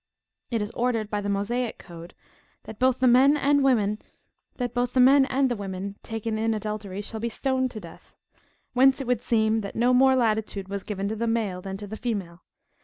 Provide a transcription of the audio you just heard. It is ordained by the Mosaic code, that both the men and the women taken in adultery shall be stoned to death; whence it would seem, that no more latitude was given to the male than to the female.